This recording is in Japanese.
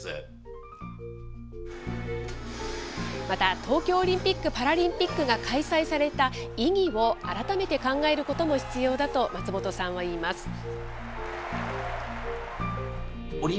また、東京オリンピック・パラリンピックが開催された意義を、改めて考えることも必要だと、松本さんは言います。